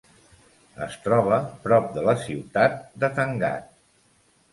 Es troba prop de la ciutat de Thangadh.